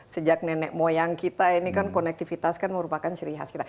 sejak nenek moyang kita ini kan konektivitas kan merupakan ciri khas kita